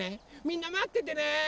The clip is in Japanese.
みんなまっててね！